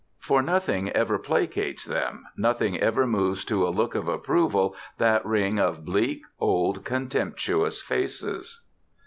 For nothing ever placates them, nothing ever moves to a look of approval that ring of bleak, old, contemptuous Faces.